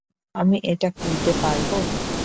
আমি এটা খুলতে পারবো?